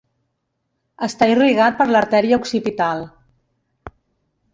Està irrigat per l'artèria occipital.